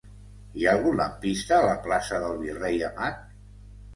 Hi ha algun lampista a la plaça del Virrei Amat?